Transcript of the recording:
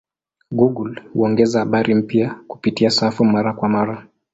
Google huongeza habari mpya kupitia safu mara kwa mara.